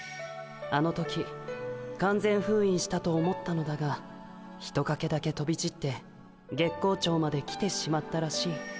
あの時完全ふういんしたと思ったのだがひとかけだけとびちって月光町まで来てしまったらしい。